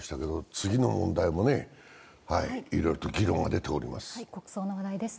次の問題もいろいろと議論が出ております。